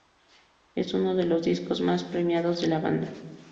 Es uno de los discos más premiados de la banda.